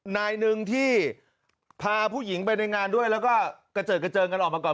นายหนึ่งที่พาผู้หญิงไปในงานด้วยแล้วก็กระเจิดกระเจิงกันออกมาก่อน